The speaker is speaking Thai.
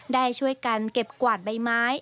ได้ช่วยกันเก็บกวาดใบไม้